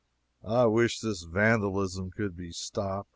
I wish this vandalism could be stopped.